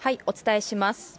お伝えします。